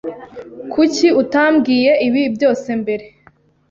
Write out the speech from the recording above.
Kuki utambwiye ibi byose mbere?